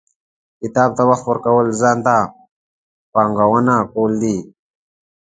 • کتاب ته وخت ورکول، ځان ته پانګونه کول دي.